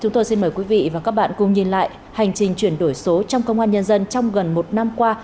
chúng tôi xin mời quý vị và các bạn cùng nhìn lại hành trình chuyển đổi số trong công an nhân dân trong gần một năm qua